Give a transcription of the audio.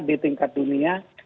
di tingkat dunia